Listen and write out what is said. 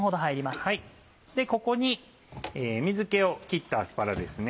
ここに水気を切ったアスパラ